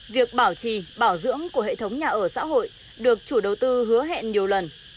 việc bảo trì bảo dưỡng của hệ thống nhà ở xã hội được chủ đầu tư hứa hẹn nhiều lần